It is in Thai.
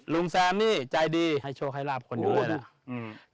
ลุงแซมนี่ใจดีให้โชคร่าบคนรู้เลยแล้ว